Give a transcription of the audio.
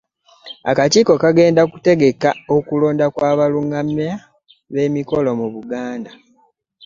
Akakiiko kagenda okutegeka okulonda kw'abalungamya b'emikolo mu Buganda.